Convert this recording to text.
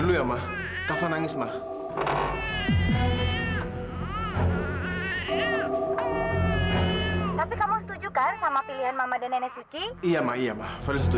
gua gak mau